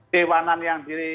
dewanan yang diri